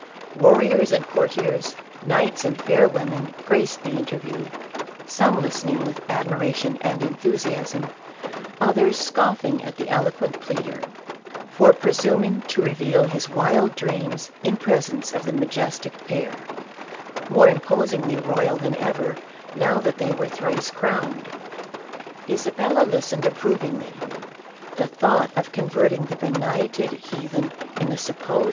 Warriors and courtiers, knights and fair women, graced the interview, some listening with admiration and enthusiasm, others scoffing at the eloquent pleader, for presuming to re veal his wild dreams in presence of the majestic pair, more imposingly royal than ever, now that they were thrice crowned. Isabella listened approvingly. The thought of con verting the benighted heathen in the suppose!